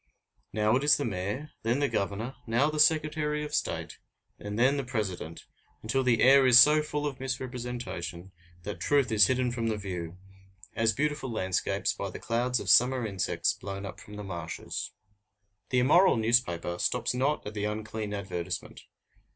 Now it is the Mayor, then the Governor, now the Secretary of State, and then the President, until the air is so full of misrepresentation that truth is hidden from the view, as beautiful landscapes by the clouds of summer insects blown up from the marshes. The immoral newspaper stops not at the unclean advertisement.